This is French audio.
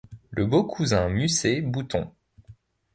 Le beau cousin mussé Bouton